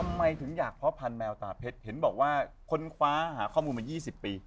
ทำไมถึงอยากเพาะพันธแมวตาเพชรเห็นบอกว่าค้นคว้าหาข้อมูลมา๒๐ปี